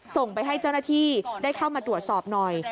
ส่งไปให้เจ้าหน้าที่ได้เข้ามาตรวจสอบหน่อย